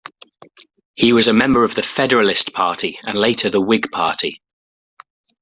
He was a member of the Federalist Party and later the Whig Party.